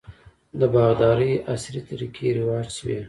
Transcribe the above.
د باغدارۍ عصري طریقې رواج شوي.